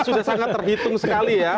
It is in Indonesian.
sudah sangat terhitung sekali ya